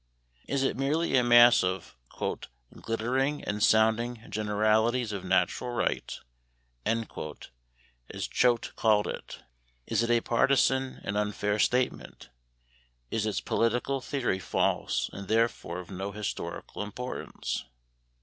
Is it merely a mass of "glittering and sounding generalities of natural right?" as Choate called it. Is it a partisan and unfair statement? Is its political theory false and therefore of no historical importance?